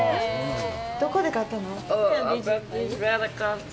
どこで買ったの？